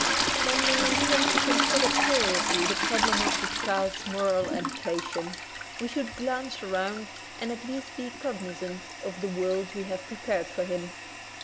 When we intend to consider seriously the problem of the child's moral education, we should glance around and at least be cog nizant of the world we have prepared for him.